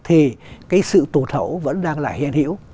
thì cái sự tụt hậu vẫn đang là hiền hiểu